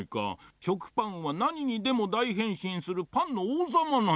しょくパンはなににでもだいへんしんするパンのおうさまなんじゃよ。